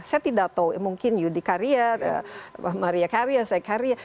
saya tidak tahu mungkin yudi karier maria karier saya karier